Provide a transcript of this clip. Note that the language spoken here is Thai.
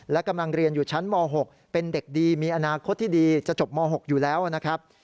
และกำลังเรียนอยู่ชั้นม๖เป็นเด็กดีมีอนาคตที่ดีจะจบม๖อยู่แล้วนะครับ